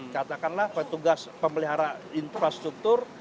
katakanlah petugas pemelihara infrastruktur